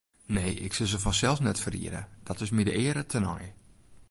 Nee, ik sil se fansels net ferriede, dat is myn eare tenei.